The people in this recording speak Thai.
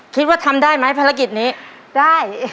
คิดว่าทำได้ไหมภารกิจนี้ได้